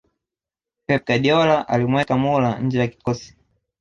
pep guardiola alimuweka muller nje ya kikosi